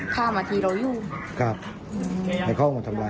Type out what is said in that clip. ฆ่ามาทีเรารู้กับแต่เครื่องมันทำไร